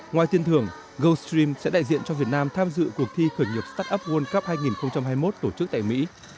ngoài tiên thưởng goldstream sẽ đại diện cho việt nam tham dự cuộc thi khởi nghiệp start up world cup hai nghìn hai mươi một tổ chức tại mỹ